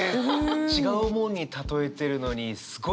違うもんに例えてるのにすごい分かりますね。